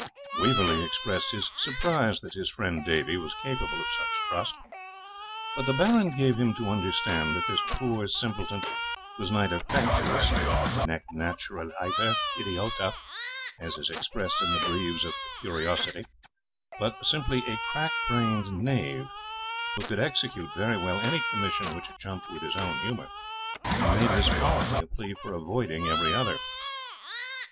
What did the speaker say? Waverley expressed his surprise that his friend Davie was capable of such trust; but the Baron gave him to understand that this poor simpleton was neither fatuous, nec naturaliter idiota, as is expressed in the brieves of furiosity, but simply a crack brained knave, who could execute very well any commission which jumped with his own humour, and made his folly a plea for avoiding every other.